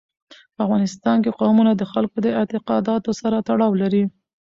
په افغانستان کې قومونه د خلکو د اعتقاداتو سره تړاو لري.